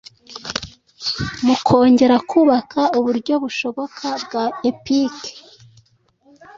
mu kongera kubaka uburyo bushoboka bwa Epic